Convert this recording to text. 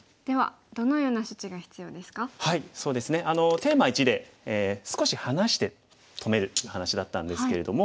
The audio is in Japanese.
テーマ１で少し離して止めるって話だったんですけれども。